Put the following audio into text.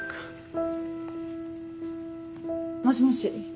もしもし。